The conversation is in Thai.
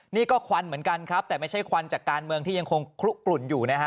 นี่ก็ควันเหมือนกันครับแต่ไม่ใช่ควันจากการเมืองที่ยังคงคลุกกลุ่นอยู่นะฮะ